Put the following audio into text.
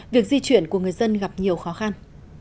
việc di chuyển của người dân gặp nhiều khó khăn